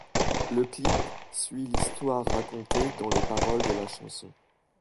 Le clip suit l'histoire racontée dans les paroles de la chanson.